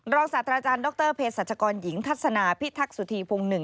ศาสตราจารย์ดรเพศรัชกรหญิงทัศนาพิทักษุธีพงศ์หนึ่ง